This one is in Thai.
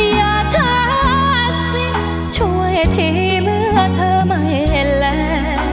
อย่าช้าสิช่วยที่เมื่อเธอไม่แล